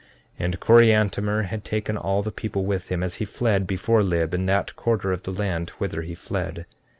And Coriantumr had taken all the people with him as he fled before Lib in that quarter of the land whither he fled.